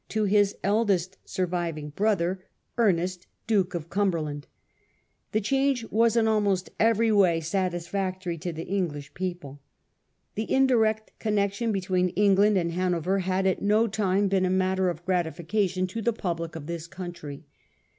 to his eldest surviving brother, Ernest, Duke of Cumberland. The change was in almost eveiy way satisfactory to the English people. The indirect connection between England and Hanover had at no time been a matter of gratification to the public of this country.